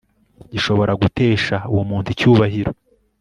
gishobora gutesha uwo muntu icyubahiro